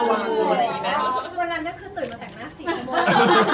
วันนั้นเป้อตื่นมาแต่งหน้าสีกะโม้